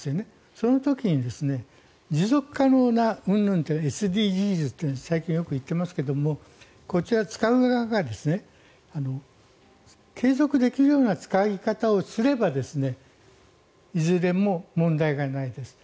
その時に、持続可能なうんぬんＳＤＧｓって最近よく言ってますけどこちら、使う側が継続できるような使い方をすればいずれも問題がないです。